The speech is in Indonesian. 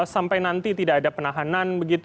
sampai nanti tidak ada penahanan begitu